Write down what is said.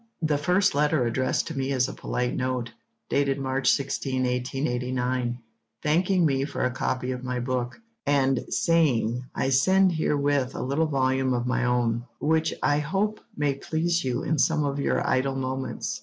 The first letter addressed to me is a polite note, dated March 16, 1889, thanking me for a copy of my book, and saying 'I send herewith a little volume of my own, which I hope may please you in some of your idle moments.'